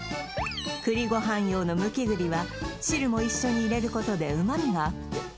栗ご飯用のむき栗は汁も一緒に入れることで旨味がアップ